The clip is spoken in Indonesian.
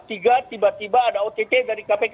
tiba tiba ada ott dari kpk